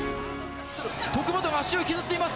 徳本が足を引きずっています。